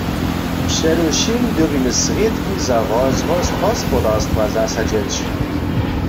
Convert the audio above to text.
Předewšěm dyrbimy srědki za rozrost hospodarstwa zasadźeć.